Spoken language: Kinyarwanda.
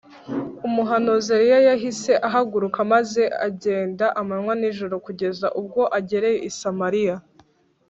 Umuhanuzi Eliya yahise ahaguruka maze agenda amanywa nijoro kugeza ubwo agereye i Samariya